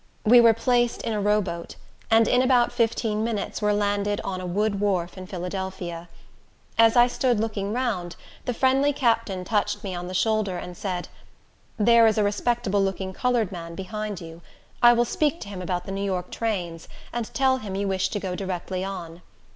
We were placed in a row boat, and in about fifteen minutes were landed on a wood wharf in Philadelphia. As I stood looking round, the friendly captain touched me on the shoulder, and said, "There is a respectable looking colored man behind you. I will speak to him about the New York trains, and tell him you wish to go directly on."